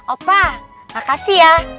opa makasih ya